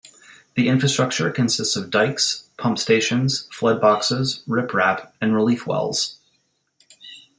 The infrastructure consists of dikes, pump stations, floodboxes, riprap, and relief wells.